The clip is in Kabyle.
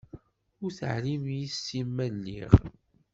Ur teεlim yess-i ma lliɣ.